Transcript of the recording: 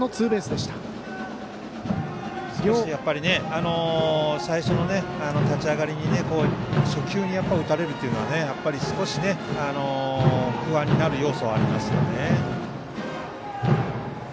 少し、やっぱり最初の立ち上がりに初球に打たれるというのは少し不安になる要素がありますよね。